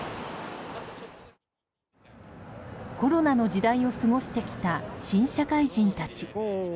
コロナの時代を過ごしてきた新社会人たち。